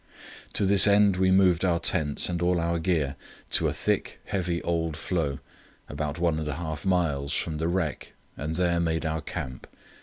To this end we moved our tents and all our gear to a thick, heavy old floe about one and a half miles from the wreck and there made our camp.